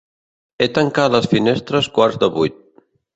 He tancat les finestres quarts de vuit.